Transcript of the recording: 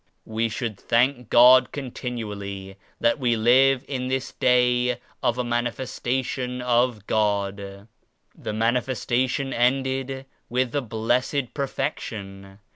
We should thank God continually that we live in this Day of a Manifestation of God. This Manifestation ended with the Blessed Perfection.